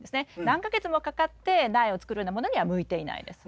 何か月もかかって苗を作るようなものには向いていないです。